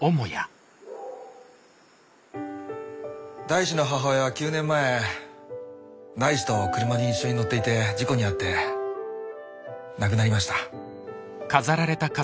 大志の母親は９年前大志と車に一緒に乗っていて事故に遭って亡くなりました。